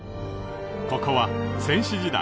ここは先史時代